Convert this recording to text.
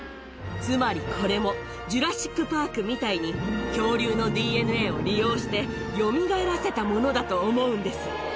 つまりこれも、ジュラシックパークみたいに、恐竜のＤＮＡを利用して、よみがえらせたものだと思うんです。